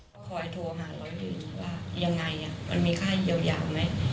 ก็คอยโทรหาร้อยอยู่ว่ายังไงมันมีค่าเยียวยาไหม